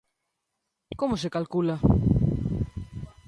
¿Como se calcula?